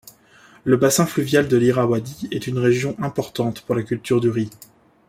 Le bassin fluvial de l'Irrawaddy est une région importante pour la culture du riz.